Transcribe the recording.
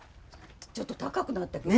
ちょっと高くなったけど。